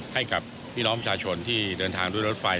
ให้กับพี่น้องประชาชนที่เดินทางด้วยรถไฟ